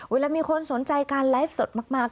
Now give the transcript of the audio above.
เวลามีคนสนใจการไลฟ์สดมาก